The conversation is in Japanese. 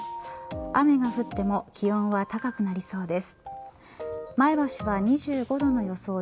雨が降っても気温は高くなりそうです。